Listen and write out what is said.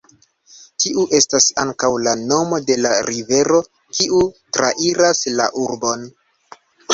Tiu estas ankaŭ la nomo de la rivero kiu trairas la urbon.